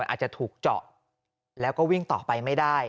อาจจะถูกเจาะแล้วก็วิ่งต่อไปไม่ได้